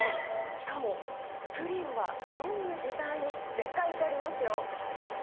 しかも、ぷりんはのむ時代って書いてありますよ。